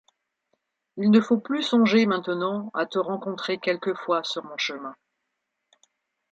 Il ne faut plus songer maintenant à te rencontrer quelquefois sur mon chemin.